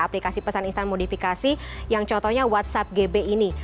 aplikasi pesan instan modifikasi yang contohnya whatsapp gb ini